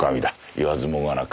言わずもがなか。